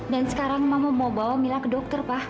dan sekarang mama mau bawa mila ke dokter pa